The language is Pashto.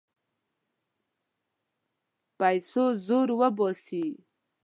پیسو زور وباسي.